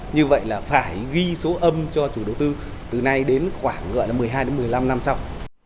như vậy là phải ghi số âm cho chủ đầu tư từ nay đến khoảng gọi là một mươi hai đến một mươi năm năm sau